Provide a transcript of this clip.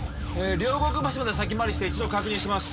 両国橋まで先回りして一度確認します